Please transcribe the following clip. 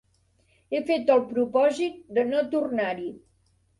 He fet el propòsit de no tornar-hi.